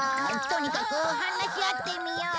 とにかく話し合ってみよう。